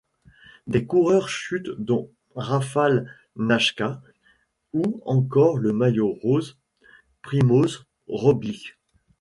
Des coureurs chutent dont Rafał Majka ou encore le maillot rose, Primož Roglič.